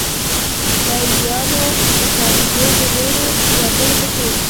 لېلیانو د کانګو د نورو وګړو په څېر.